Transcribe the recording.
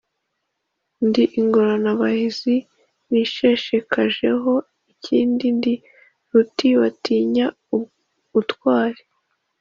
ndi ingorabahizi nisheshekajeho inkindi, ndi ruti batinyira ubutwali